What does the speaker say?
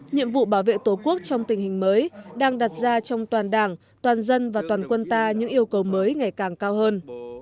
nhiệm vụ bảo vệ tổ quốc trong tình hình mới đang đặt ra trong toàn đảng toàn dân và toàn quân ta những yêu cầu mới ngày càng cao hơn